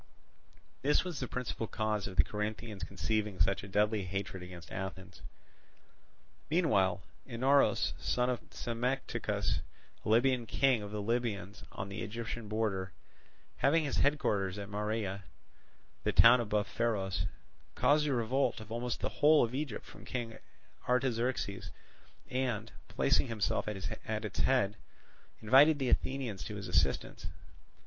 This was the principal cause of the Corinthians conceiving such a deadly hatred against Athens. Meanwhile Inaros, son of Psammetichus, a Libyan king of the Libyans on the Egyptian border, having his headquarters at Marea, the town above Pharos, caused a revolt of almost the whole of Egypt from King Artaxerxes and, placing himself at its head, invited the Athenians to his assistance.